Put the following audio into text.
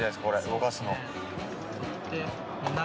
動かすの。